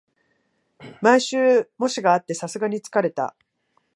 毎週、模試があってさすがに疲れた